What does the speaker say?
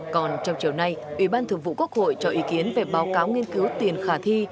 còn trong chiều nay ủy ban thường vụ quốc hội cho ý kiến về báo cáo nghiên cứu tiền khả thi